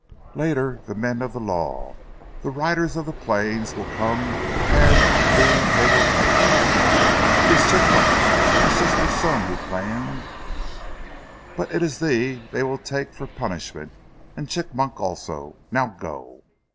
Later the men of the law, the riders of the plains, will come and thee they will take " "It is Chigmok, my sister's son, who planned " "But it is thee they will take for punishment and Chigmok also. Now go!"